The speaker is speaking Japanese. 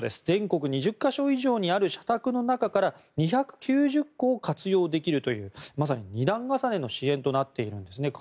全国２０か所以上にある社宅の中から２９０戸を活用できるというまさに２段重ねの支援となっている日本です。